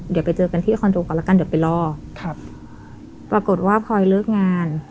เดี๋ยวไปเจอกันที่คอนโดก่อนแล้วกันเดี๋ยวไปรอครับปรากฏว่าพลอยเลิกงาน